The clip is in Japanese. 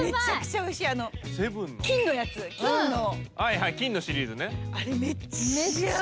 はいはい金のシリーズね。